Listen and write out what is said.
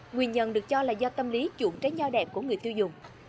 nguyên nhân được cho là do tâm lý chuộng trái nho đẹp của người tiêu dùng